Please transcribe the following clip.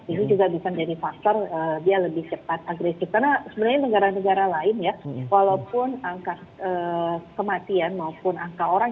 ini juga bisa jadi faktor